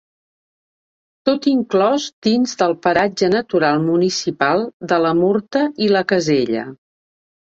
Tot inclòs dins del Paratge Natural Municipal de la Murta i la Casella.